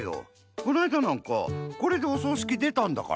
このあいだなんかこれでおそうしきでたんだから。